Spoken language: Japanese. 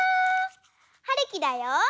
はるきだよ！